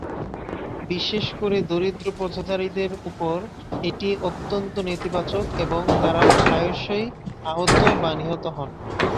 বিশেষ করে দরিদ্র পথচারীদের উপর এটি অত্যন্ত নেতিবাচক এবং তারা প্রায়শই আহত বা নিহত হন।